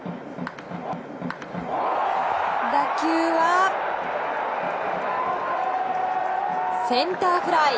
打球は、センターフライ。